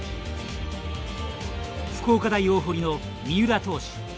福岡大大濠の三浦投手。